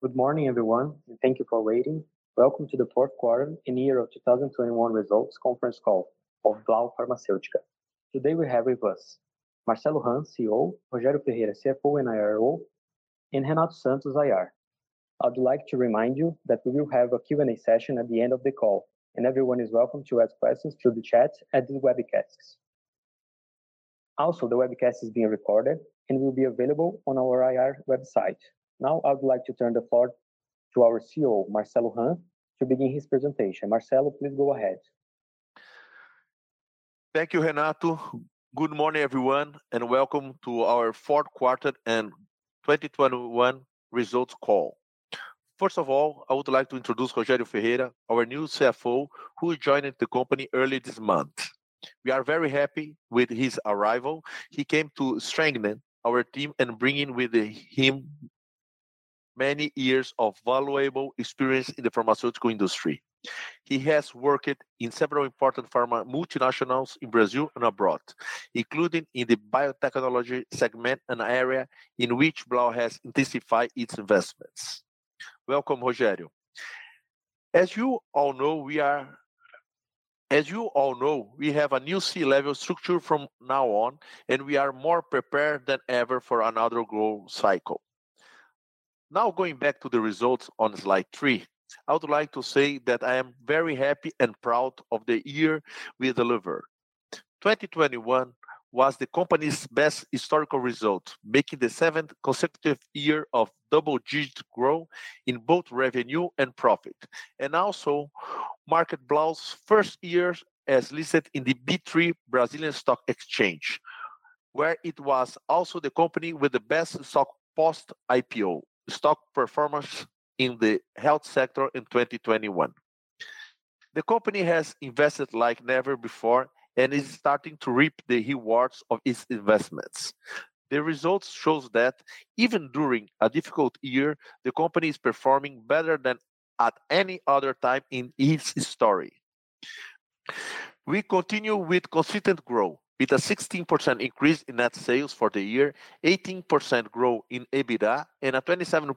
Good morning, everyone, and thank you for waiting. Welcome to the fourth quarter and year of 2021 results conference call of Blau Farmacêutica. Today, we have with us Marcelo Hahn, CEO, Rogério Ferreira, CFO and IRO, and Renato Santos, IR. I'd like to remind you that we will have a Q&A session at the end of the call, and everyone is welcome to ask questions through the chat at the webcasts. Also, the webcast is being recorded and will be available on our IR website. Now, I would like to turn the floor to our CEO, Marcelo Hahn, to begin his presentation. Marcelo, please go ahead. Thank you, Renato. Good morning, everyone, and welcome to our fourth quarter and 2021 results call. First of all, I would like to introduce Rogério Ferreira, our new CFO, who joined the company early this month. We are very happy with his arrival. He came to strengthen our team and bringing with him many years of valuable experience in the pharmaceutical industry. He has worked in several important pharma multinationals in Brazil and abroad, including in the biotechnology segment and area in which Blau has intensified its investments. Welcome, Rogério. As you all know, we have a new C-level structure from now on, and we are more prepared than ever for another growth cycle. Now, going back to the results on slide three, I would like to say that I am very happy and proud of the year we delivered. 2021 was the company's best historical result, making the seventh consecutive year of double-digit growth in both revenue and profit, and also marked Blau's first year as listed in the B3 Brazilian Stock Exchange, where it was also the company with the best stock post-IPO stock performance in the health sector in 2021. The company has invested like never before and is starting to reap the rewards of its investments. The results shows that even during a difficult year, the company is performing better than at any other time in its history. We continue with consistent growth, with a 16% increase in net sales for the year, 18% growth in EBITDA, and a 27%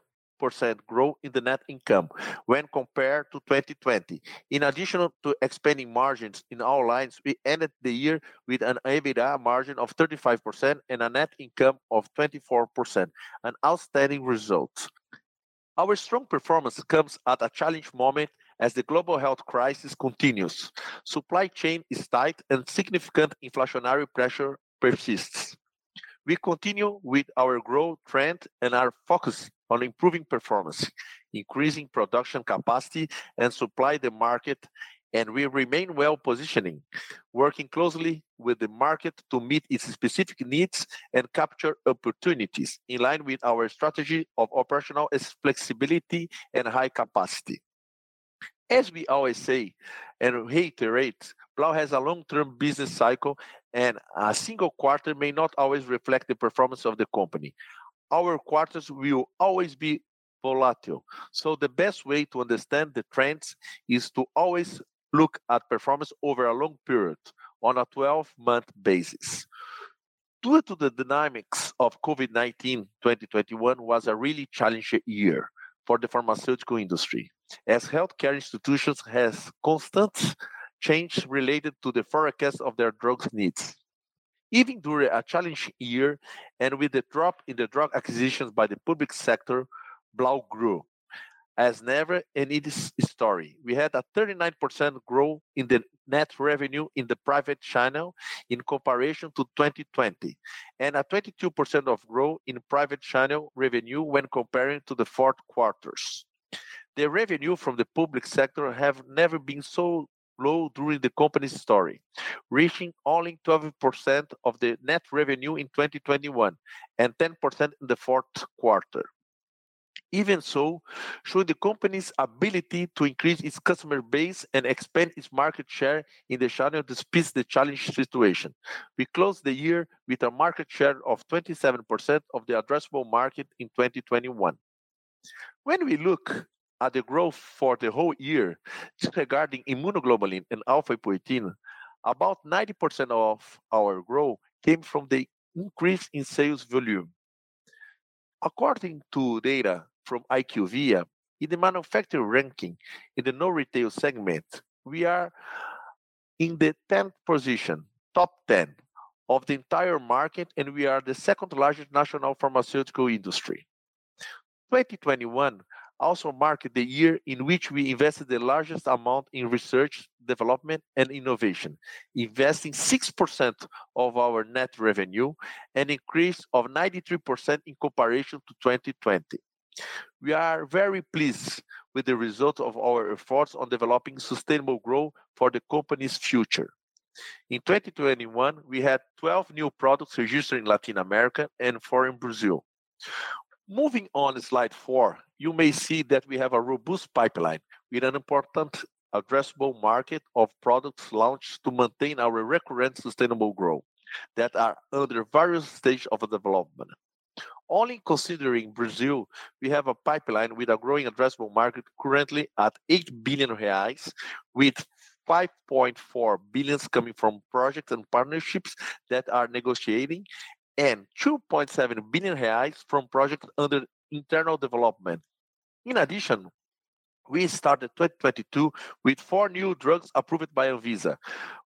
growth in the net income when compared to 2020. In addition to expanding margins in all lines, we ended the year with an EBITDA margin of 35% and a net income of 24%, an outstanding result. Our strong performance comes at a challenge moment as the global health crisis continues. Supply chain is tight and significant inflationary pressure persists. We continue with our growth trend and are focused on improving performance, increasing production capacity, and supply the market, and we remain well-positioned, working closely with the market to meet its specific needs and capture opportunities in line with our strategy of operational flexibility and high capacity. As we always say and reiterate, Blau has a long-term business cycle, and a single quarter may not always reflect the performance of the company. Our quarters will always be volatile, so the best way to understand the trends is to always look at performance over a long period on a 12-month basis. Due to the dynamics of COVID-19, 2021 was a really challenging year for the pharmaceutical industry, as healthcare institutions has constant change related to the forecast of their drugs needs. Even during a challenging year, and with the drop in the drug acquisitions by the public sector, Blau grew as never in its history. We had a 39% growth in the net revenue in the private channel in comparison to 2020, and a 22% of growth in private channel revenue when comparing to the fourth quarters. The revenue from the public sector have never been so low during the company's history, reaching only 12% of the net revenue in 2021, and 10% in the fourth quarter. Even so, it showed the company's ability to increase its customer base and expand its market share in the channel despite the challenging situation. We closed the year with a market share of 27% of the addressable market in 2021. When we look at the growth for the whole year regarding immunoglobulin and alfaepoetina, about 90% of our growth came from the increase in sales volume. According to data from IQVIA, in the manufacturer ranking in the non-retail segment, we are in the 10th position, top 10 of the entire market, and we are the second-largest national pharmaceutical industry. 2021 also marked the year in which we invested the largest amount in research, development, and innovation, investing 6% of our net revenue, an increase of 93% in comparison to 2020. We are very pleased with the result of our efforts on developing sustainable growth for the company's future. In 2021, we had 12 new products registered in Latin America and four in Brazil. Moving on to slide four, you may see that we have a robust pipeline with an important addressable market of products launched to maintain our recurrent sustainable growth that are under various stages of development. Only considering Brazil, we have a pipeline with a growing addressable market currently at 8 billion reais, with 5.4 billion coming from projects and partnerships that are negotiating and 2.7 billion reais from projects under internal development. We started 2022 with four new drugs approved by Anvisa,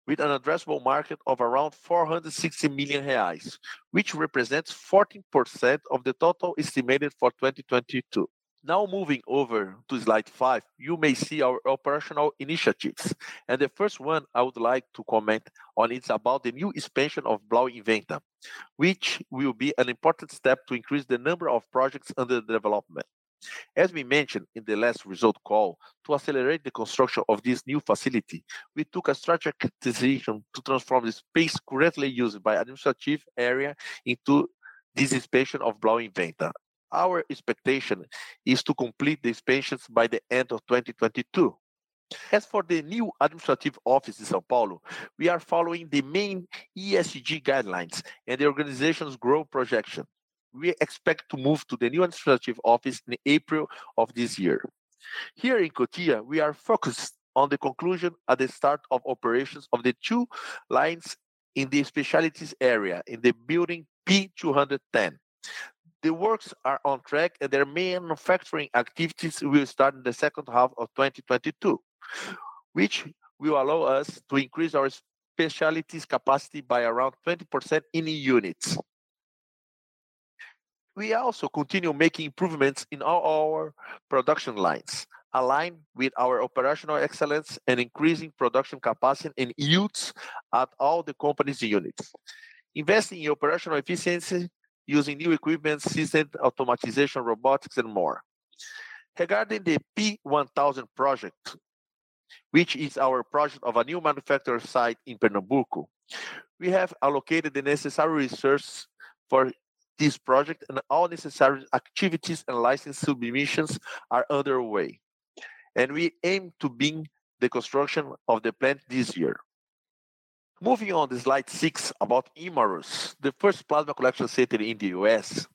with an addressable market of around 460 million reais, which represents 14% of the total estimated for 2022. Now moving over to slide five, you may see our operational initiatives. The first one I would like to comment on is about the new expansion of Blau Inventta, which will be an important step to increase the number of projects under development. As we mentioned in the last result call, to accelerate the construction of this new facility, we took a strategic decision to transform the space currently used by administrative area into this expansion of Blau Inventta. Our expectation is to complete the expansions by the end of 2022. As for the new administrative office in São Paulo, we are following the main ESG guidelines and the organization's growth projection. We expect to move to the new administrative office in April of this year. Here in Cotia, we are focused on the conclusion at the start of operations of the two lines in the specialties area in the building P210. The works are on track, and their main manufacturing activities will start in the second half of 2022, which will allow us to increase our specialties capacity by around 20% in units. We also continue making improvements in all our production lines, in line with our operational excellence and increasing production capacity in units at all the company's units, investing in operational efficiency using new equipment, systems, automation, robotics and more. Regarding the P1000 project, which is our project of a new manufacturing site in Pernambuco, we have allocated the necessary resources for this project, and all necessary activities and license submissions are underway. We aim to begin the construction of the plant this year. Moving on to slide six about Hemarus. The first plasma collection center in the U.S.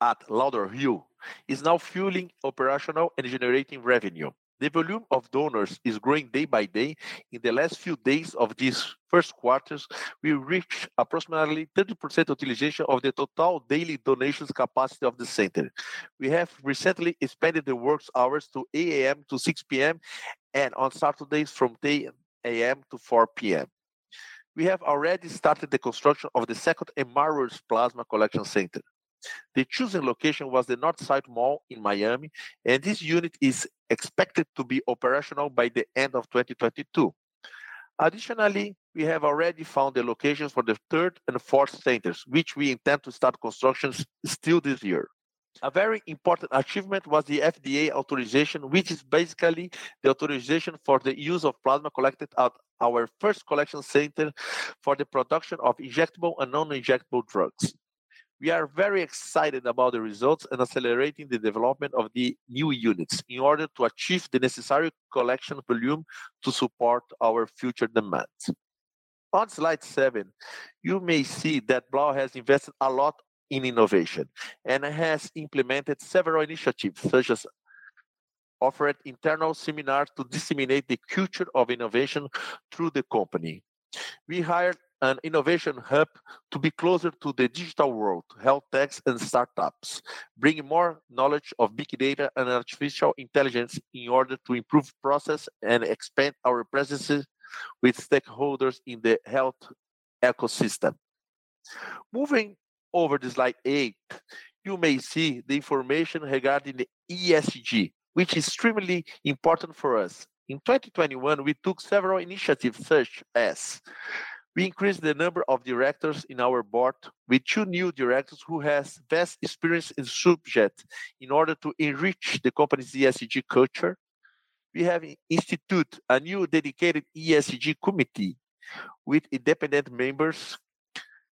at Lauderhill is now fully operational and generating revenue. The volume of donors is growing day by day. In the last few days of this first quarter, we reached approximately 30% utilization of the total daily donations capacity of the center. We have recently expanded the work hours to 8 A.M.-6 P.M. and on Saturdays from 10 A.M.-4 P.M. We have already started the construction of the second Hemarus plasma collection center. The chosen location was the Northside Mall in Miami, and this unit is expected to be operational by the end of 2022. Additionally, we have already found the locations for the third and fourth centers, which we intend to start constructions still this year. A very important achievement was the FDA authorization, which is basically the authorization for the use of plasma collected at our first collection center for the production of injectable and non-injectable drugs. We are very excited about the results and accelerating the development of the new units in order to achieve the necessary collection volume to support our future demands. On slide seven, you may see that Blau has invested a lot in innovation and has implemented several initiatives, such as offering internal seminars to disseminate the culture of innovation through the company. We hired an innovation hub to be closer to the digital world, health techs, and startups, bringing more knowledge of big data and artificial intelligence in order to improve process and expand our presence with stakeholders in the health ecosystem. Moving to slide eight, you may see the information regarding the ESG, which is extremely important for us. In 2021, we took several initiatives, such as we increased the number of directors in our board with two new directors who has vast experience in subject in order to enrich the company's ESG culture. We have instituted a new dedicated ESG committee with independent members.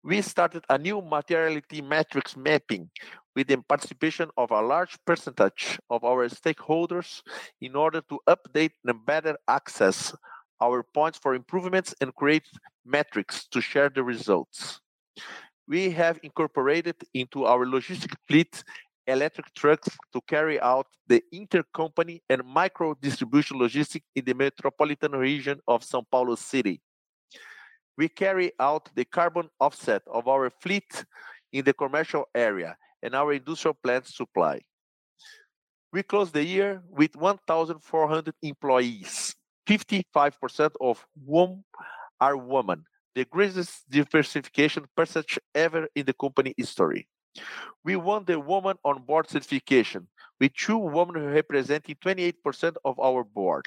We started a new materiality metrics mapping with the participation of a large percentage of our stakeholders in order to update and better assess our points for improvements and create metrics to share the results. We have incorporated into our logistics fleet electric trucks to carry out the intercompany and micro-distribution logistics in the metropolitan region of São Paulo City. We carry out the carbon offset of our fleet in the commercial area and our industrial plant supply. We closed the year with 1,400 employees, 55% of whom are women, the greatest diversification percentage ever in the company history. We won the Women on Board certification with two women representing 28% of our board.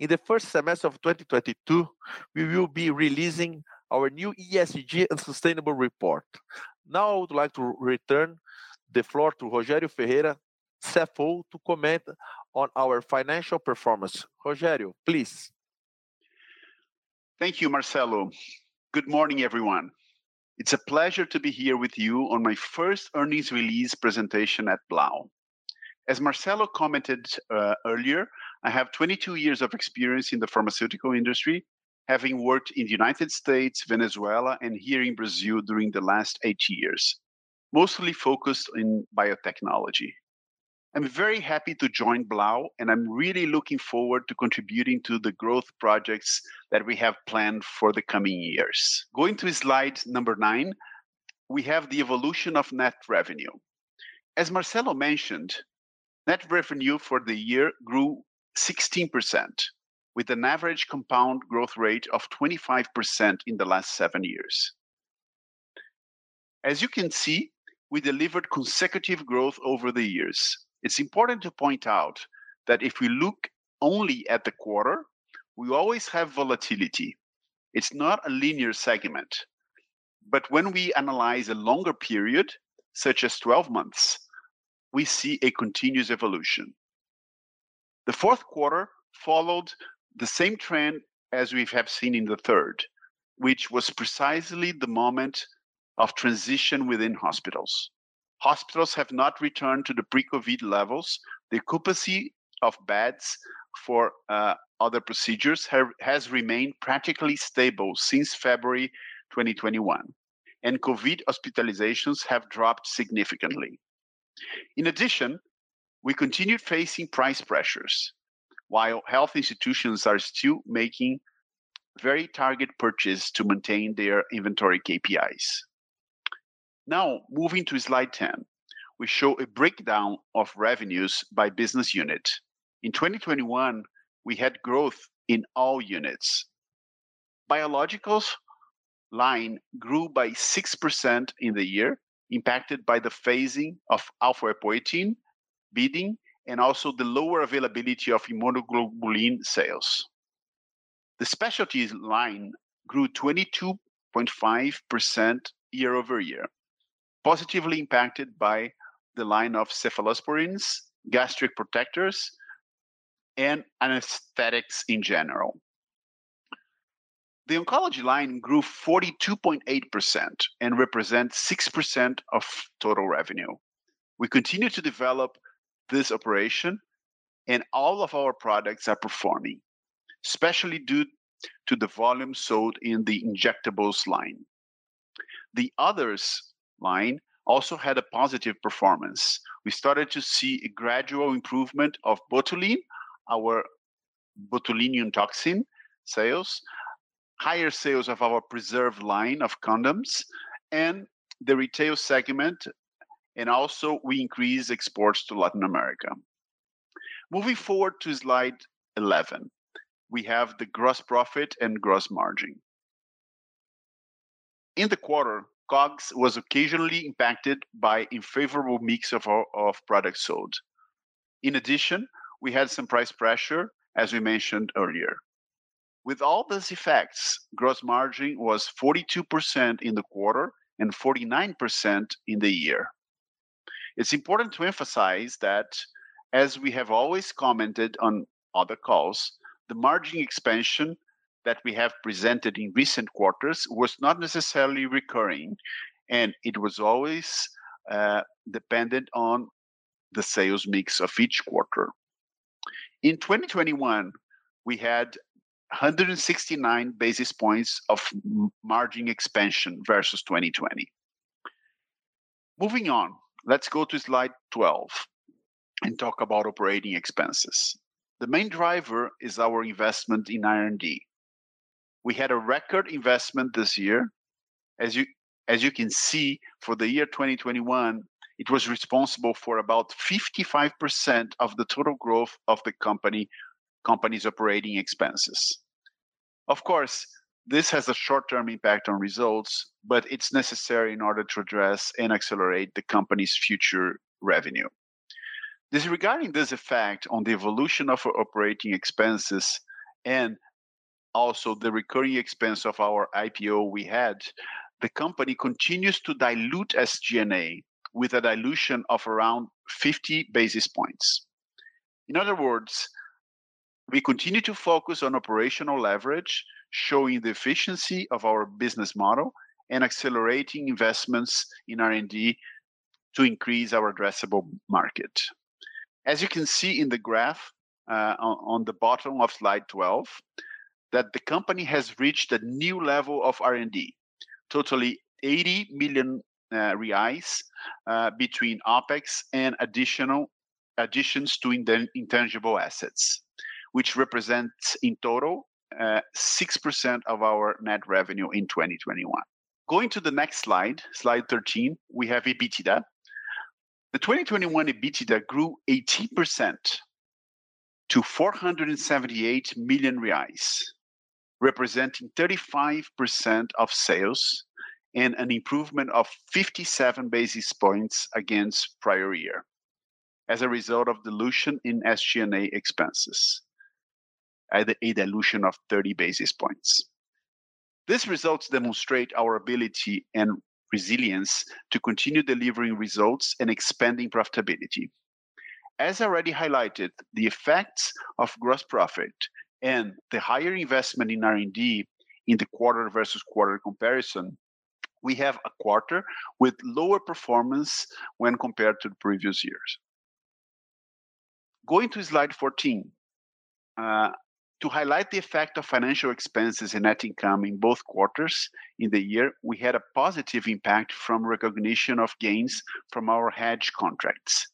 In the first semester of 2022, we will be releasing our new ESG and sustainable report. Now I would like to return the floor to Rogério Ferreira, CFO, to comment on our financial performance. Rogério, please. Thank you, Marcelo. Good morning, everyone. It's a pleasure to be here with you on my first earnings release presentation at Blau. As Marcelo commented earlier, I have 22 years of experience in the pharmaceutical industry, having worked in the United States, Venezuela, and here in Brazil during the last eight years, mostly focused in biotechnology. I'm very happy to join Blau, and I'm really looking forward to contributing to the growth projects that we have planned for the coming years. Going to slide number nine. We have the evolution of net revenue. As Marcelo mentioned, net revenue for the year grew 16% with an average compound growth rate of 25% in the last seven years. As you can see, we delivered consecutive growth over the years. It's important to point out that if we look only at the quarter, we always have volatility. It's not a linear segment. When we analyze a longer period, such as 12 months, we see a continuous evolution. The fourth quarter followed the same trend as we have seen in the third, which was precisely the moment of transition within hospitals. Hospitals have not returned to the pre-COVID levels. The occupancy of beds for other procedures has remained practically stable since February 2021, and COVID hospitalizations have dropped significantly. In addition, we continued facing price pressures while health institutions are still making very targeted purchases to maintain their inventory KPIs. Now, moving to slide 10, we show a breakdown of revenues by business unit. In 2021, we had growth in all units. Biologicals line grew by 6% in the year, impacted by the phasing of alfaepoetina bidding and also the lower availability of immunoglobulin sales. The specialties line grew 22.5% year-over-year, positively impacted by the line of cephalosporins, gastric protectors, and anesthetics in general. The oncology line grew 42.8% and represents 6% of total revenue. We continue to develop this operation and all of our products are performing, especially due to the volume sold in the injectables line. The others line also had a positive performance. We started to see a gradual improvement of Botuline, our botulinum toxin sales, higher sales of our preserve line of condoms and the retail segment, and also we increased exports to Latin America. Moving forward to slide 11, we have the gross profit and gross margin. In the quarter, COGS was occasionally impacted by a favorable mix of our products sold. In addition, we had some price pressure as we mentioned earlier. With all these effects, gross margin was 42% in the quarter and 49% in the year. It's important to emphasize that as we have always commented on other calls, the margin expansion that we have presented in recent quarters was not necessarily recurring, and it was always dependent on the sales mix of each quarter. In 2021, we had 169 basis points of margin expansion versus 2020. Moving on, let's go to slide 12 and talk about operating expenses. The main driver is our investment in R&D. We had a record investment this year. As you can see, for the year 2021, it was responsible for about 55% of the total growth of the company's operating expenses. Of course, this has a short-term impact on results, but it's necessary in order to address and accelerate the company's future revenue. Regarding this effect on the evolution of our operating expenses and also the recurring expense of our IPO we had, the company continues to dilute SG&A with a dilution of around 50 basis points. In other words, we continue to focus on operational leverage, showing the efficiency of our business model and accelerating investments in R&D to increase our addressable market. As you can see in the graph on the bottom of slide 12, the company has reached a new level of R&D, total 80 million reais between OpEx and additions to intangible assets, which represents in total 6% of our net revenue in 2021. Going to the next slide 13, we have EBITDA. The 2021 EBITDA grew 18% to BRL 478 million, representing 35% of sales and an improvement of 57 basis points against prior year as a result of dilution in SG&A expenses at a dilution of 30 basis points. These results demonstrate our ability and resilience to continue delivering results and expanding profitability. As already highlighted, the effects of gross profit and the higher investment in R&D in the quarter-over-quarter comparison, we have a quarter with lower performance when compared to the previous years. Going to slide 14, to highlight the effect of financial expenses and net income in both quarters in the year, we had a positive impact from recognition of gains from our hedge contracts.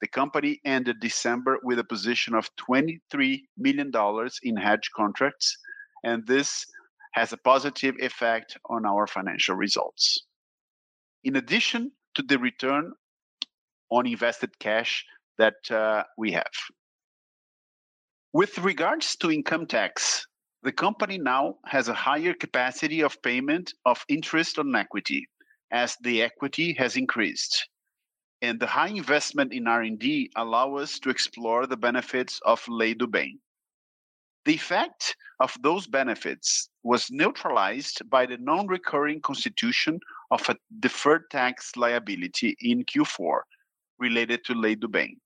The company ended December with a position of $23 million in hedge contracts, and this has a positive effect on our financial results. In addition to the return on invested cash that we have. With regards to income tax, the company now has a higher capacity of payment of interest on equity as the equity has increased, and the high investment in R&D allow us to explore the benefits of Lei do Bem. The effect of those benefits was neutralized by the non-recurring constitution of a deferred tax liability in Q4 related to Lei do Bem.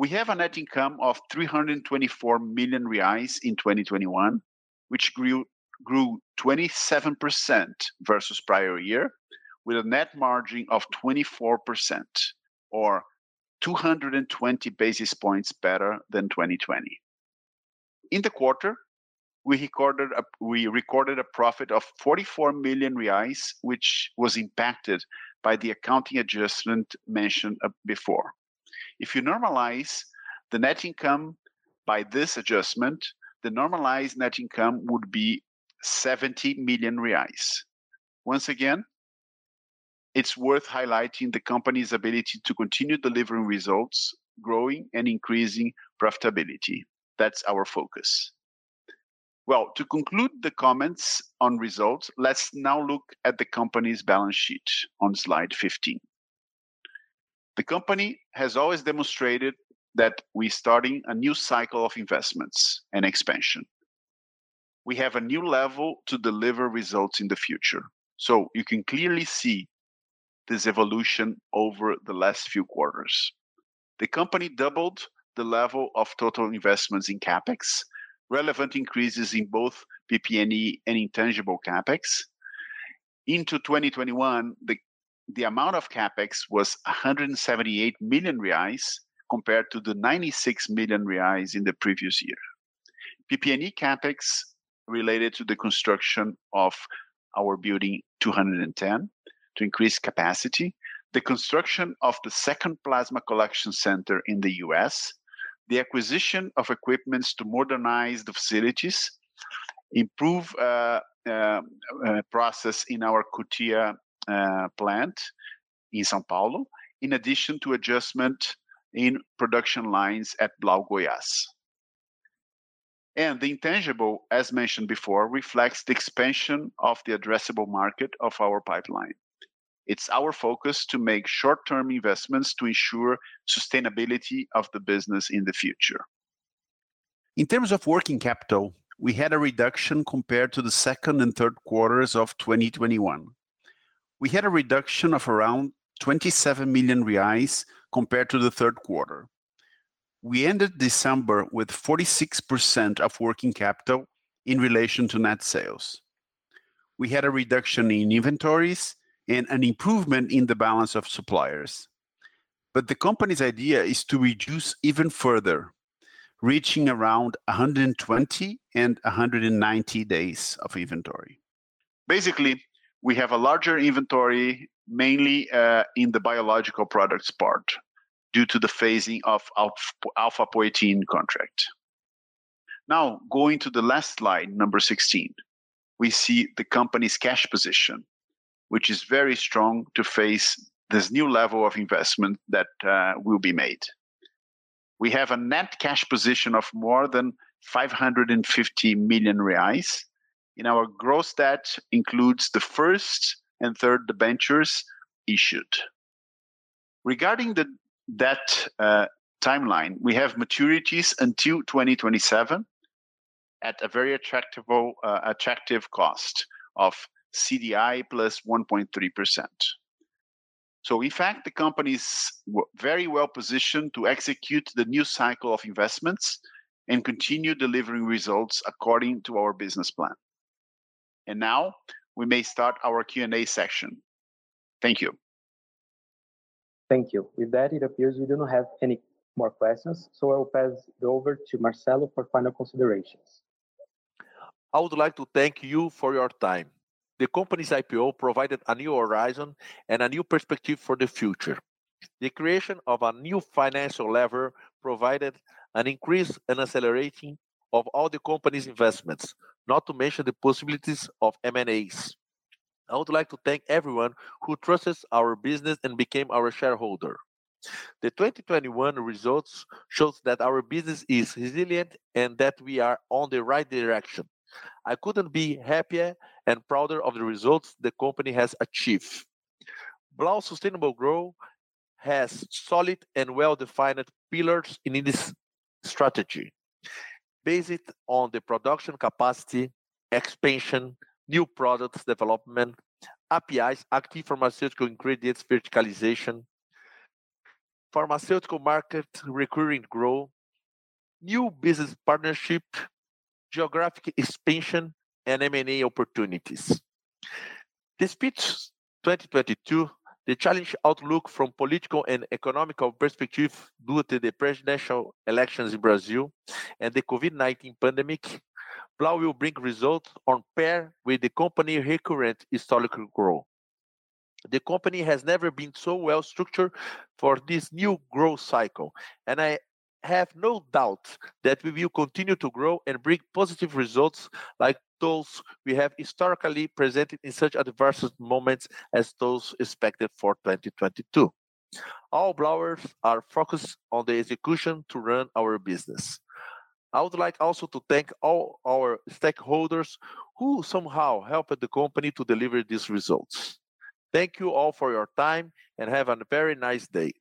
We have a net income of 324 million reais in 2021, which grew 27% versus prior year, with a net margin of 24% or 220 basis points better than 2020. In the quarter, we recorded a profit of 44 million reais, which was impacted by the accounting adjustment mentioned before. If you normalize the net income by this adjustment, the normalized net income would be 70 million reais. Once again, it's worth highlighting the company's ability to continue delivering results, growing and increasing profitability. That's our focus. Well, to conclude the comments on results, let's now look at the company's balance sheet on slide 15. The company has always demonstrated that we're starting a new cycle of investments and expansion. We have a new level to deliver results in the future. You can clearly see this evolution over the last few quarters. The company doubled the level of total investments in CapEx, relevant increases in both PP&E and intangible CapEx. In 2021, the amount of CapEx was 178 million reais compared to the 96 million reais in the previous year. PP&E CapEx related to the construction of our P210 to increase capacity, the construction of the second plasma collection center in the U.S., the acquisition of equipment to modernize the facilities, improve process in our Cotia plant in São Paulo, in addition to adjustment in production lines at Blau Goiás. The intangible, as mentioned before, reflects the expansion of the addressable market of our pipeline. It's our focus to make short-term investments to ensure sustainability of the business in the future. In terms of working capital, we had a reduction compared to the second and third quarters of 2021. We had a reduction of around 27 million reais compared to the third quarter. We ended December with 46% of working capital in relation to net sales. We had a reduction in inventories and an improvement in the balance of suppliers. The company's idea is to reduce even further, reaching around 120 and 190 days of inventory. Basically, we have a larger inventory mainly in the biological products part due to the phasing of alfaepoetina contract. Now, going to the last slide, number 16, we see the company's cash position, which is very strong to face this new level of investment that will be made. We have a net cash position of more than 550 million reais, and our gross debt includes the first and third debentures issued. Regarding the debt timeline, we have maturities until 2027 at a very attractive cost of CDI plus 1.3%. In fact, the company's very well positioned to execute the new cycle of investments and continue delivering results according to our business plan. Now we may start our Q&A session. Thank you. Thank you. With that, it appears we do not have any more questions, so I will pass it over to Marcelo for final considerations. I would like to thank you for your time. The company's IPO provided a new horizon and a new perspective for the future. The creation of a new financial lever provided an increase and accelerating of all the company's investments, not to mention the possibilities of MNAs. I would like to thank everyone who trusted our business and became our shareholder. The 2021 results shows that our business is resilient and that we are on the right direction. I couldn't be happier and prouder of the results the company has achieved. Blau's sustainable growth has solid and well-defined pillars in its strategy based on the production capacity, expansion, new products development, APIs, active pharmaceutical ingredients, verticalization, pharmaceutical market recurring growth, new business partnership, geographic expansion and M&A opportunities. Despite 2022, the challenging outlook from political and economic perspective due to the presidential elections in Brazil and the COVID-19 pandemic, Blau will bring results on par with the company recurrent historical growth. The company has never been so well-structured for this new growth cycle, and I have no doubt that we will continue to grow and bring positive results like those we have historically presented in such adverse moments as those expected for 2022. All Blauers are focused on the execution to run our business. I would like also to thank all our stakeholders who somehow helped the company to deliver these results. Thank you all for your time, and have a very nice day.